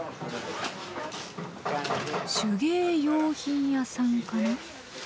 手芸用品屋さんかな。